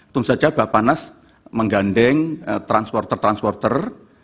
tentu saja bapanas menggandeng transporter transporter